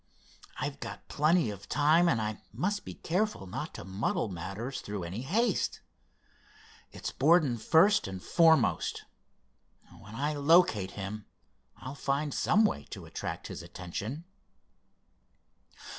"I've got plenty of time, and I must be careful not to muddle matters through any haste. It's Borden, first and foremost. When I locate him I'll find some way to attract his attention."